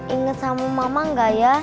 ingat sama mama gak ya